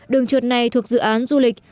đường trượt này thuộc dự án du lịch